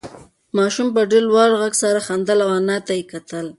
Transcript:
ماشوم په ډېر لوړ غږ سره خندل او انا ته یې کتل.